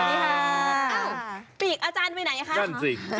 อ้าวปีกกุลอาจารย์ไปไหนครับ